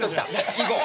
行こう。